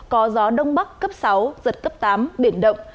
có gió đông bắc cấp sáu giật cấp tám biển động